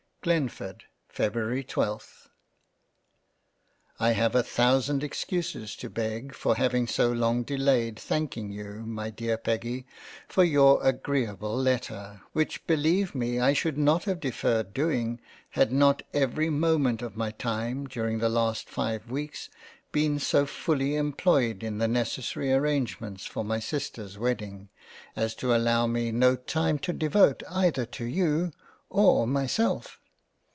Glenford Feb:ry 12 1HAVE a thousand excuses to beg for having so long delayed thanking you my dear Peggy for your agreable Letter, which beleive me I should not have deferred 1 49 sef, g JANE AUSTEN doing, had not every moment of my time during the last five weeks been so fully employed in the necessary arrangements for my sisters wedding, as to allow me no time to devote either to you or myself.